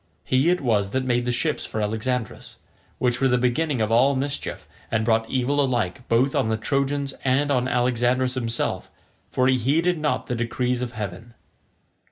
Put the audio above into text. He it was that made the ships for Alexandrus, which were the beginning of all mischief, and brought evil alike both on the Trojans and on Alexandrus himself; for he heeded not the decrees of heaven.